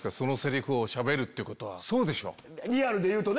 リアルでいうとね。